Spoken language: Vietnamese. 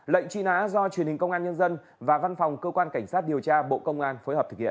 lệnh truy nã do truyền hình công an nhân dân và văn phòng cơ quan cảnh sát điều tra bộ công an phối hợp thực hiện